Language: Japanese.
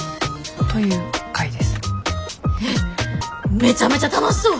えっめちゃめちゃ楽しそう！